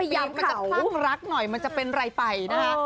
มันจะพล่ำรักหน่อยมันจะเป็นไรไปนะฮะ